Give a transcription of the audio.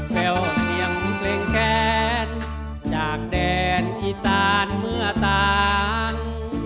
แววเพียงเพลงแค้นจากแดนอีสานเมื่อต่าง